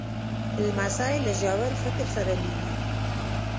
لمسی له ژور فکر سره لویېږي.